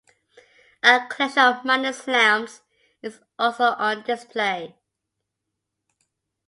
A collection of miners' lamps is also on display.